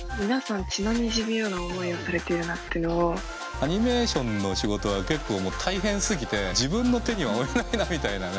アニメーションの仕事は結構もう大変すぎて自分の手には負えないなみたいなね。